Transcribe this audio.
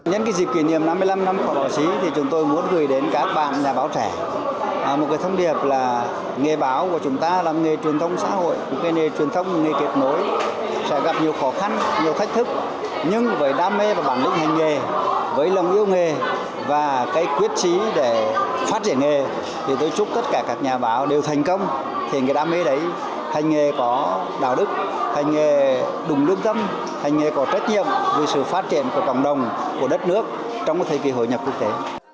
hành nghề có trách nhiệm với sự phát triển của cộng đồng của đất nước trong thời kỳ hội nhập quốc tế